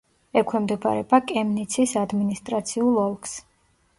ექვემდებარება კემნიცის ადმინისტრაციულ ოლქს.